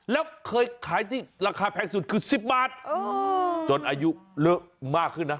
แล้วเคยขายที่ราคาแพงสุดคือ๑๐บาทจนอายุเลอะมากขึ้นนะ